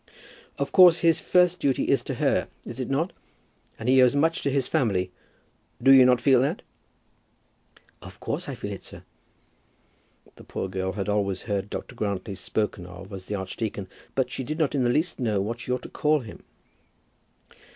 "Of course his first duty is to her. Is it not? And he owes much to his family. Do you not feel that?" "Of course I feel it, sir." The poor girl had always heard Dr. Grantly spoken of as the archdeacon, but she did not in the least know what she ought to call him.